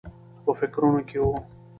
په فکرونو کې و.